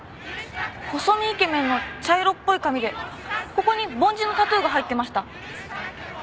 細身イケメンの茶色っぽい髪でここに梵字のタトゥーが入ってました。